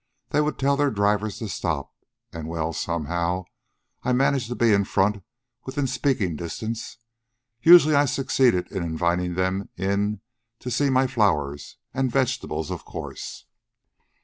They would tell their drivers to stop. And well, somehow, I managed to be in the front within speaking distance. Usually I succeeded in inviting them in to see my flowers... and vegetables, of course.